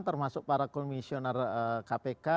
termasuk para komisioner kpk